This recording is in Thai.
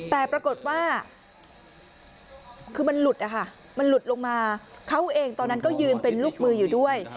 แต่ปรากฏว่าคือมันหลุดนะคะมันหลุดลงมาเขาเองตอนนั้นก็ยืนเป็นลูกมืออยู่ด้วย